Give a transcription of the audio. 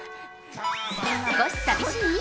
少し寂しい？